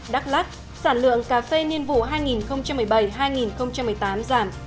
đắk lắc sản lượng cà phê niên vụ hai nghìn một mươi bảy hai nghìn một mươi tám giảm